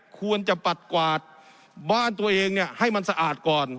ควรจะปัดกวาดบ้านตัวเองให้มันสะอาดก่อน